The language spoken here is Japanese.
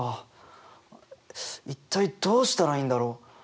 一体どうしたらいいんだろ？